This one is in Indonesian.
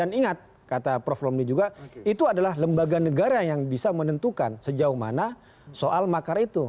dan ingat kata prof romli juga itu adalah lembaga negara yang bisa menentukan sejauh mana soal makar itu